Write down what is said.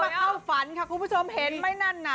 เข้าฝันค่ะคุณผู้ชมเห็นไหมนั่นน่ะ